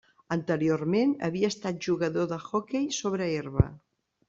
Anteriorment havia estat jugador d'hoquei sobre herba.